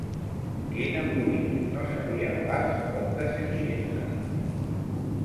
Quin embolic: no sabia pas com deseixir-se'n!